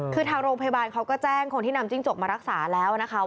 คือทางโรงพยาบาลเขาก็แจ้งคนที่นำจิ้งจกมารักษาแล้วนะคะ